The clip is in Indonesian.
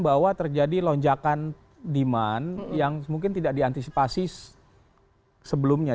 bahwa terjadi lonjakan demand yang mungkin tidak diantisipasi sebelumnya